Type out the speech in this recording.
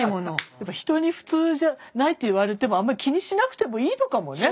やっぱ人に「普通じゃない」って言われてもあんまり気にしなくてもいいのかもね。